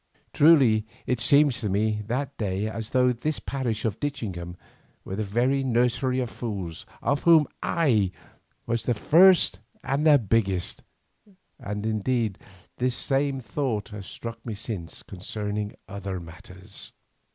Truly it seemed to me that day as though this parish of Ditchingham were the very nursery of fools, of whom I was the first and biggest, and indeed this same thought has struck me since concerning other matters.